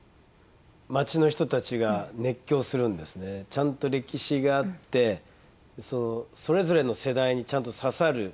ちゃんと歴史があってそれぞれの世代にちゃんと刺さる